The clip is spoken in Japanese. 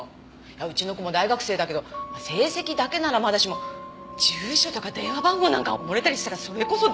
うちの子も大学生だけど成績だけならまだしも住所とか電話番号なんかも漏れたりしたらそれこそ大問題！